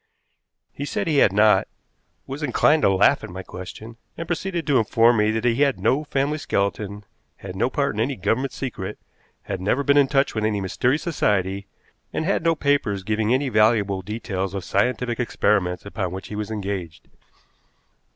He said he had not, was inclined to laugh at my question, and proceeded to inform me that he had no family skeleton, had no part in any Government secret, had never been in touch with any mysterious society, and had no papers giving any valuable details of scientific experiments upon which he was engaged.